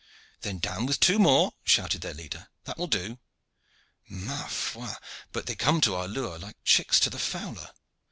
"Then down with two more," shouted their leader. "That will do. Ma foi! but they come to our lure like chicks to the fowler.